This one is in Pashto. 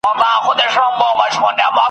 پر کوثرونو به سردار نبي پیالې ورکوي ..